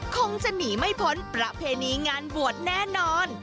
คงจะหนีไม่พ้นประเพณีงานบวชแน่นอน